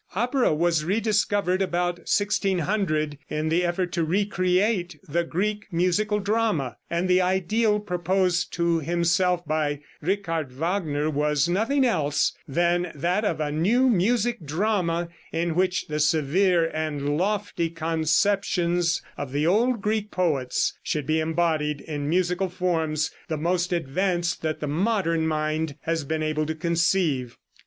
Opera was re discovered about 1600 in the effort to re create the Greek musical drama, and the ideal proposed to himself by Richard Wagner was nothing else than that of a new music drama in which the severe and lofty conceptions of the old Greek poets should be embodied in musical forms the most advanced that the modern mind has been able to conceive.